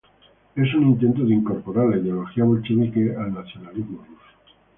Es un intento de incorporar la ideología bolchevique al nacionalismo ruso.